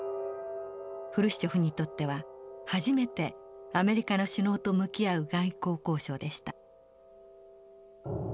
フルシチョフにとっては初めてアメリカの首脳と向き合う外交交渉でした。